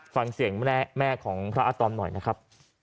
ฟังเสียงแม่ของพระอาตอมหน่อยนะครับ